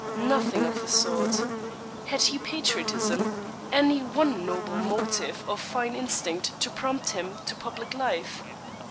Nothing of the sort. Had he patriotism, any one noble motive or fine instinct to prompt him to public life?